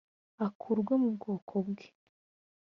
akurwe mu bwoko bwe